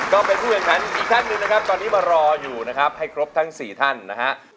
ก็เป็นผู้แข่งขันอีกท่านหนึ่งนะครับตอนนี้มารออยู่นะครับให้ครบทั้ง๔ท่านนะฮะ